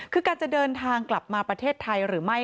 คือการจะเดินทางกลับมาประเทศไทยหรือไม่